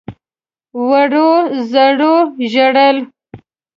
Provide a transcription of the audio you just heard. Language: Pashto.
وړو _زړو ژړل.